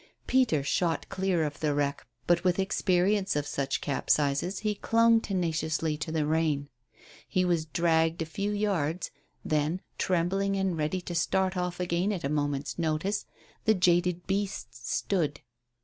Peter shot clear of the wreck, but with experience of such capsizes, he clung tenaciously to the rein. He was dragged a few yards; then, trembling and ready to start off again at a moment's notice, the jaded beasts stood.